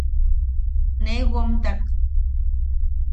Nee womtak.